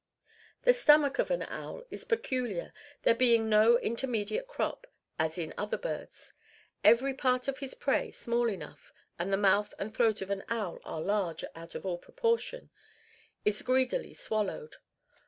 The stomach of an owl is peculiar, there being no intermediate crop, as in other birds. Every part of his prey small enough (and the mouth and throat of an owl are large out of all proportion) is greedily swallowed.